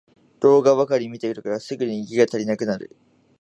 動画ばかり見てるからすぐにギガが足りなくなる